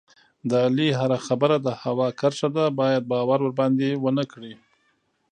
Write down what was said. د علي هره خبره د هوا کرښه ده، باید باور ورباندې و نه کړې.